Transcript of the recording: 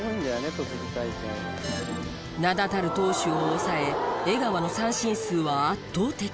名だたる投手を抑え江川の三振数は圧倒的。